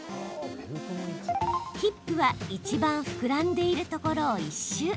ヒップは、いちばん膨らんでいるところを１周。